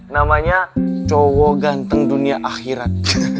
namanya cowok ganteng dunia akhirat